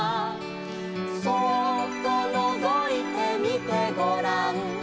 「そーっとのぞいてみてごらん」